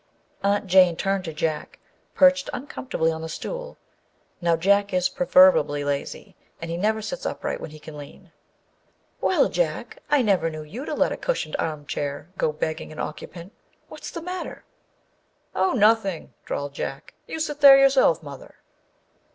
Aunt Jane turned to Jack, perched uncomfortably on the stool. (Now Jack is proverbially lazy: he never sits upright when he can lean.) "Well, Jack! I never knew you to let a cushioned armchair go begging an occupant. What's the matter?" " Oh, nothing," drawled Jack. " You sit there yourself, mother."